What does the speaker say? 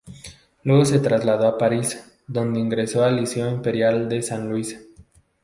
Luego se trasladó a Paris, donde ingresó al Liceo Imperial de San Luis.